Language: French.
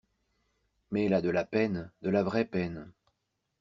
Mais elle a de la peine, de la vraie peine!